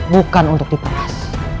bukan untuk diperas